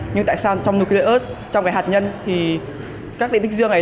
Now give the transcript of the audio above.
nhưng tại sao trong nuclear earth trong hạt nhân thì các hạt tích dương này